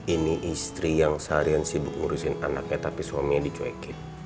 ini istri yang seharian sibuk ngurusin anaknya tapi suaminya dicuekin